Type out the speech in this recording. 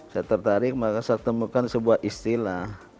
saya tertarik maka saya temukan sebuah istilah